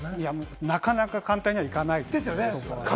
なかなか簡単にはいかないです。